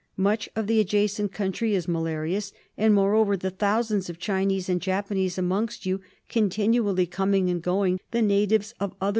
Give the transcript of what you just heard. Much of the adjacent country is malarious, and, more over, the thousands of Chinese and Japanese amongst you — continually coming and going, the natives of other A SCHOOL FOR SAN FRANCISCO.